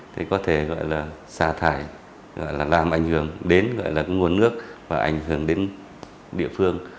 thì có thể gọi là xả thải gọi là làm ảnh hưởng đến gọi là nguồn nước và ảnh hưởng đến địa phương